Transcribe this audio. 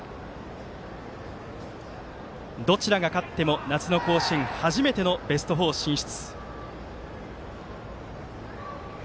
どちらが勝っても夏の甲子園初めてのベスト４進出。